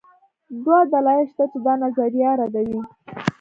دوه دلایل شته چې دا نظریه ردوي